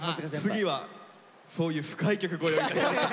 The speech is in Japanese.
次はそういう深い曲ご用意いたしました。